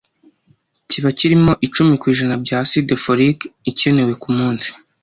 kiba kirimo icumi kw'ijana bya acide folique ikenewe ku munsi